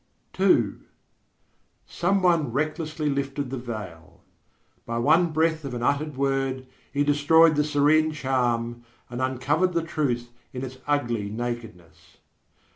II Some one recklessly lifted the veil. By one breath of an uttered word he destroyed the serene charm, and uncovered the truth in its ugly nakedness.